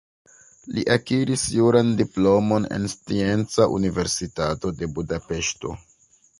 Li akiris juran diplomon en Scienca Universitato de Budapeŝto.